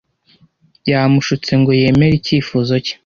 Yamushutse ngo yemere icyifuzo cye.